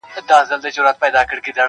يا په دار لكه منصور يا به سنگسار وي -